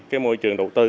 cái môi trường đầu tư